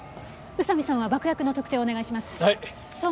宇佐見さんは爆薬の特定をお願いします。